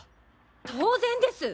当然です！